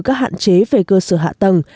các hạn chế về cơ sở hạ tầng